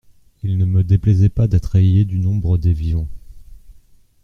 Il ne me déplaisait pas d’être rayé du nombre des vivants.